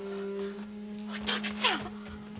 お父っつぁん！